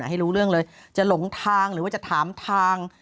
ให้รู้เรื่องเลยจะหลงทางหรือว่าจะถามทาง